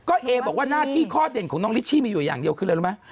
ก็เอบอกว่าหน้าที่ข้อเด่นของน้องลิชชี่มีอยู่อย่างเดียวคืออะไรรู้ไหม